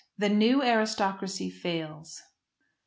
THE NEW ARISTOCRACY FAILS.